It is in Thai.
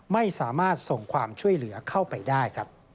ไม่สามารถส่งความช่วยเหลือเข้าไปได้ครับ